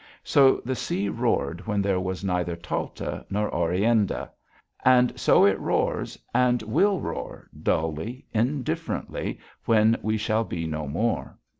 So the sea roared when there was neither Talta nor Oreanda, and so it roars and will roar, dully, indifferently when we shall be no more.